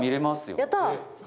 やった！